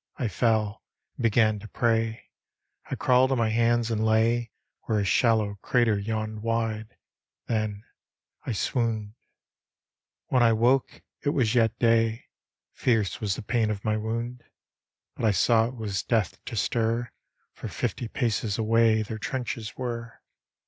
I fell, and began to pray. I crawled on my hands and lay Where a shallow crater yawned wide; Then, — I swooned. ... When I woke, it was yet day. Fierce was the pain of my wound, But I saw it was death to stir, For fifty paces away Their trenches were.